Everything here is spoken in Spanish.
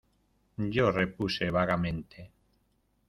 yo repuse vagamente: